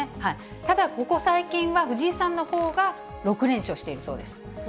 ただ、ここ最近は、藤井さんのほうが６連勝しているそうです。